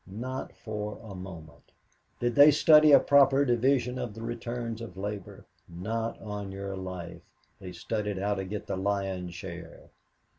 Not for a moment. Did they study a proper division of the returns of labor? Not on your life, they studied how to get the lion's share.